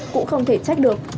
cũng không thể trách được